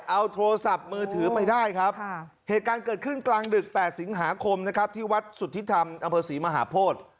เอาโทรศัพท์มือถือไปได้ครับเหตุการณ์เกิดขึ้นกลางดึก๘สิงหาคมนะครับที่วัดสุทธิธรรมอำเภอศรีมหาโพธิ